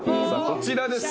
こちらです。